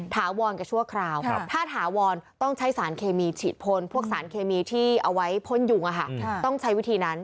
ถาวรกับชั่วคราวถ้าถาวรต้องใช้สารเคมีฉีดพ่นพวกสารเคมีที่เอาไว้พ่นยุงต้องใช้วิธีนั้น